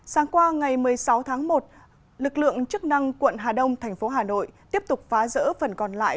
sáng qua ngày một mươi sáu tháng một lực lượng chức năng quận hà đông thành phố hà nội tiếp tục phá rỡ phần còn lại